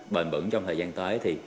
bền bẩn trong thời gian tới thì